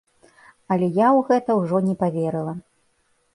Але я ў гэта ўжо не паверыла.